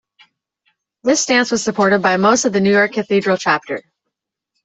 This stance was supported by most of the York cathedral chapter.